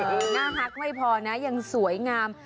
หน้าฮักไม่พอนะยังสวยงาม